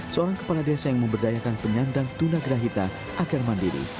seorang kepala desa yang memberdayakan penyandang tunagrahita akan mandiri